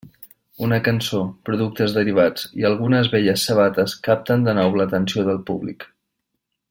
Una cançó, productes derivats, i algunes velles sabates capten de nou l'atenció del públic.